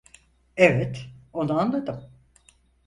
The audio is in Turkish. Evet, onu anladım.